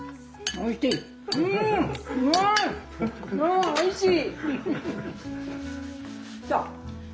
あおいしい。